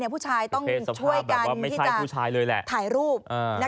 ผู้ชายต้องช่วยกันที่จะถ่ายรูป